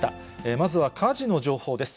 まずは火事の情報です。